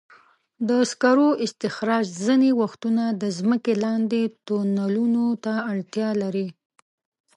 د سکرو استخراج ځینې وختونه د ځمکې لاندې تونلونو ته اړتیا لري.